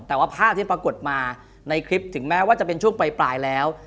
แต่ว่าภาพที่ปรากฏมาในคลิปถึงแม้ว่าจะเป็นช่วงปลายแล้ว